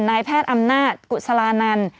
นายแพทย์อำนาจกุศลานันต์